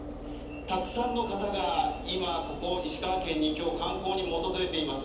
たくさんの方が今、ここ石川県に今日、観光にも訪れています。